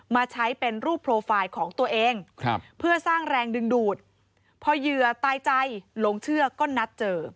มาใช้เป็นรูปโปรไฟล์ของตัวเองเพื่อสร้างแรงดึงดูดพอเหยื่อตายใจหลงเชื่อก็นัดเจอ